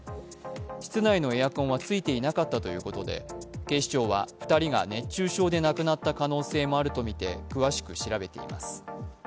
室内のエアコンはついていなかったということで警視庁は２人が熱中症で亡くなった可能性もあるとみて詳しく調べています。